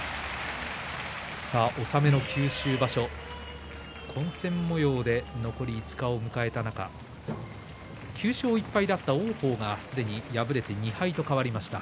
納めの九州場所混戦もようで残り５日を迎えた中９勝１敗だった王鵬がすでに敗れて２敗と変わりました。